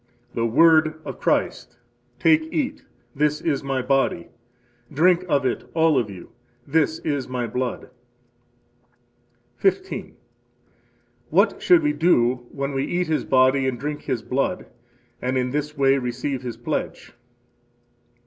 The word of Christ: Take, eat, this is My body; drink of it, all of you, this is My blood. 15. What should we do when we eat His body and drink His blood, and in this way receive His pledge?